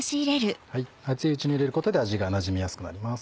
熱いうちに入れることで味がなじみやすくなります。